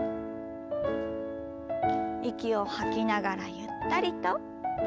息を吐きながらゆったりと。